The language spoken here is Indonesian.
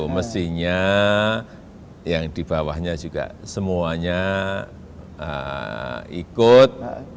mestinya yang di bawahnya juga semuanya ikut